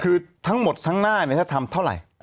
คือทั้งหมดทั้งหน้าถ้าทำเท่าไหร่